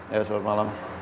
ya selamat malam